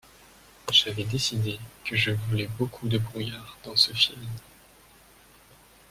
J'avais décidé que je voulais beaucoup de brouillard dans ce film.